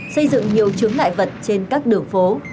xây dựng nhiều chướng ngại vật trên các đường phố